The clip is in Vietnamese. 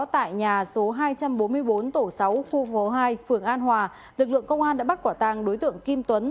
tại nhà số hai trăm bốn mươi bốn tổ sáu khu phố hai phường an hòa lực lượng công an đã bắt quả tàng đối tượng kim tuấn